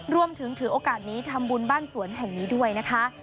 ถือโอกาสนี้ทำบุญบ้านสวนแห่งนี้ด้วยนะคะ